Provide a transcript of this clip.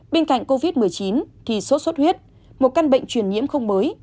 bên cạnh covid một mươi chín thì sốt xuất huyết một căn bệnh truyền nhiễm không mới